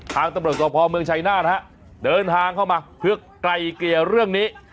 ทางตำรวจสพเมืองชัยนาธเดินทางเข้ามาเพื่อไกลเกลี่ยเรื่องนี้